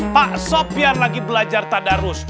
pak sofian lagi belajar tadarus